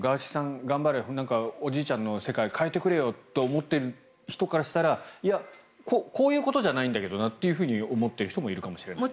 頑張れおじいちゃんの世界を変えてくれよと思っている人からしたらいや、こういうことじゃないんだけどなと思っている人もいるかもしれないですね。